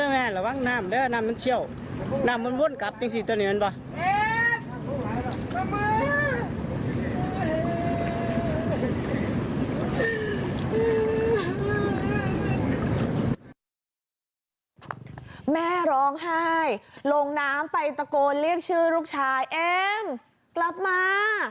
แม่ร้องไห้ลงน้ำไปตะโกนเรียกชื่อลูกชายเอมกลับมา